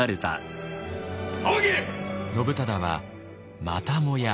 信忠はまたもや